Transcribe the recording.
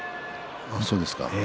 そうですか。